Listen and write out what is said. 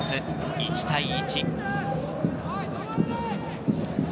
１対１。